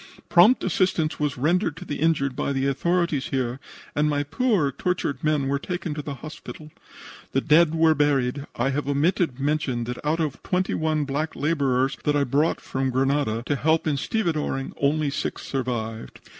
Prompt assistance was rendered to the injured by the authorities here and my poor, tortured men were taken to the hospital. The dead were buried. I have omitted to mention that out of twenty one black laborers that I brought from Grenada to help in stevedoring, only six survived.